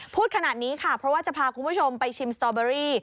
พูดขนาดนี้ค่ะเพราะว่าจะพาคุณผู้ชมไปชิมสตอเบอรี่